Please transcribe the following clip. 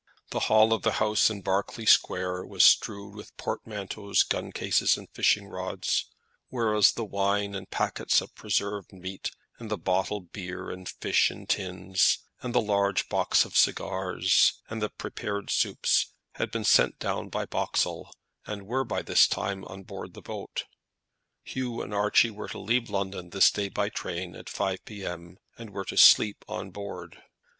The hall of the house in Berkeley Square was strewed with portmanteaus, gun cases, and fishing rods, whereas the wine and packets of preserved meat, and the bottled beer and fish in tins, and the large box of cigars, and the prepared soups, had been sent down by Boxall, and were by this time on board the boat. Hugh and Archie were to leave London this day by train at 5 P.M., and were to sleep on board.